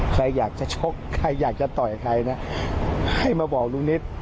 ใครอยากจะชกใครอยากจะต่อยใครนะให้มาบอกลุงนิด